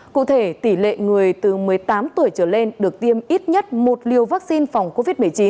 cụ thể tỷ lệ người từ một mươi tám tuổi trở lên được tiêm ít nhất một liều vaccine phòng covid một mươi chín